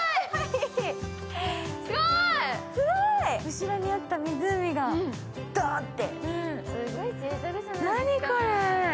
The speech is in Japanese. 後ろにあった湖がドーンと、何これ。